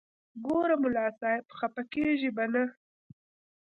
ګوره ملا صاحب خپه کېږې به نه.